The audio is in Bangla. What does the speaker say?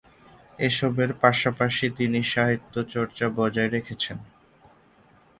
এসবের পাশাপাশি তিনি সাহিত্যচর্চা বজায় রেখেছেন।